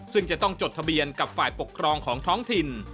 ซึ่งจะต้องจดทะเบียนกับฝ่ายปกครองของท้องถิ่น